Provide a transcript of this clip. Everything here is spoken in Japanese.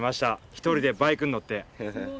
一人でバイクに乗って。